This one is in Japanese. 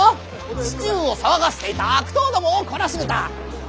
市中を騒がせていた悪党どもを懲らしめた！